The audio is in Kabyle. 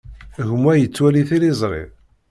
Gma yettwali tiliẓri.